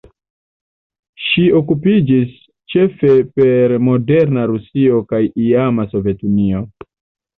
Ŝi okupiĝas ĉefe per moderna Rusio kaj iama Sovetunio.